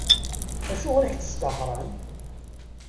Acuɣer i k-id-sṭaxren?